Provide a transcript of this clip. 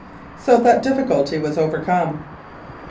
So that difficulty was overcome.